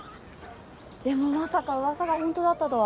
でもまさか噂がホントだったとは。